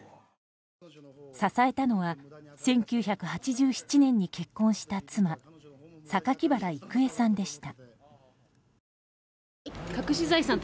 支えたのは１９８７年に結婚した妻榊原郁恵さんでした。